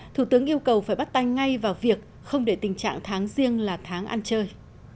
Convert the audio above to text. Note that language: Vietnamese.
thủ tướng yêu cầu phải bắt tay ngay vào việc không để tình trạng tháng riêng là tháng ăn chơi